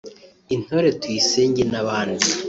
Intore Tuyisenge n'abandi